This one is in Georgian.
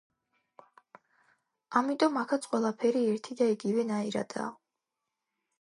ამიტომ აქაც ყველაფერი ერთი და იგივე ნაირადაა.